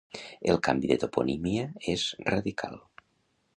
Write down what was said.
El canvi de toponímia és radical.